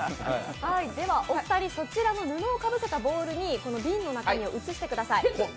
お二人そちらの布をかぶせたボウルにこの瓶の中身を移していってください。